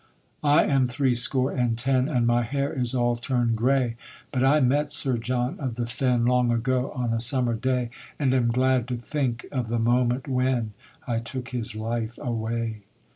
I am threescore and ten, And my hair is all turn'd grey, But I met Sir John of the Fen Long ago on a summer day, And am glad to think of the moment when I took his life away.